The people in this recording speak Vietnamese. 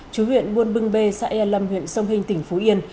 chú huyện buôn bưng bê xã e lâm huyện sông hình tỉnh phú yên